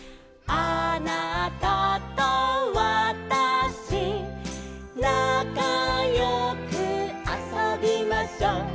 「あなたとわたし」「なかよくあそびましょう」